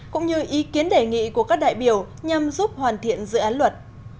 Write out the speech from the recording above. cũng như ý kiến đề nghị của các đại biểu nhằm giúp hoàn thiện dự án luật